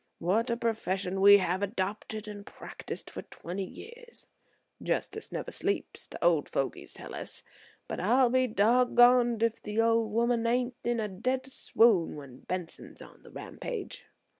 What a profession we have adopted and practised for twenty years. Justice never sleeps, the old fogies tell us, but I'll be dog goned if the old woman ain't in a dead swoon when Benson's on the rampage."